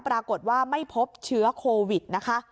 ปรากฏว่าไม่พบเชื้อโควิดนะคะ